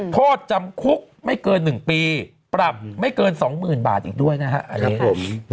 โทษจำคุกไม่เกิน๑ปีปรับไม่เกิน๒หมื่นบาทอีกด้วยนะครับ